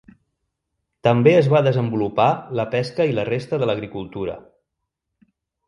També es va desenvolupar la pesca i la resta de l'agricultura.